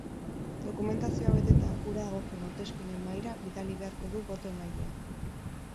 Dokumentazioa beteta, hura dagokion hauteskunde mahaira bidali beharko du boto-emaileak.